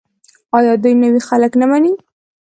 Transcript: آیا دوی نوي خلک نه مني؟